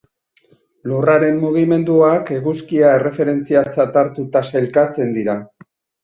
Lurraren mugimenduak Eguzkia erreferentziatzat hartuta sailkatzen dira.